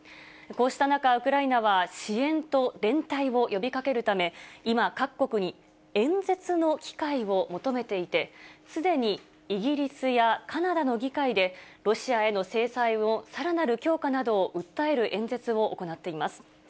こうした中、ウクライナは、支援と連帯を呼びかけるため、今、各国に演説の機会を求めていて、すでにイギリスやカナダの議会で、ロシアへの制裁のさらなる強化などを訴える演説を行っています。